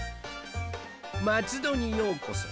「まつどにようこそ」。